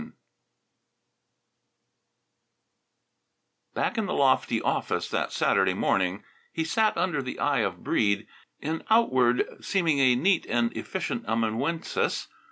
IX Back in the lofty office that Saturday morning he sat under the eye of Breede, in outward seeming a neat and efficient amanuensis.